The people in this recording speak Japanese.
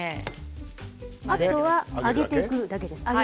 あとは揚げていくだけです。